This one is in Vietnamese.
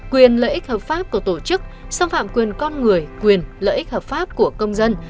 quyền lợi ích hợp pháp của tổ chức xâm phạm quyền con người quyền lợi ích hợp pháp của công dân